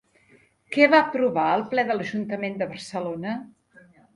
Què va aprovar el Ple de l'Ajuntament de Barcelona?